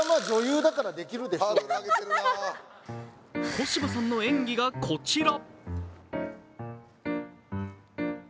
小芝さんの演技が、こちら。